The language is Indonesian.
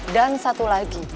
dan satu lagi